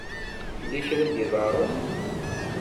Yella kra i d-iḍerrun?